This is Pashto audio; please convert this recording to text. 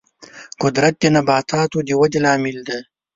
قدرت د نباتاتو د ودې لامل دی.